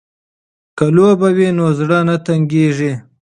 که لوبه وي نو زړه نه تنګیږي.